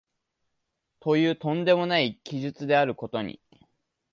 という飛んでもない奇術であることに、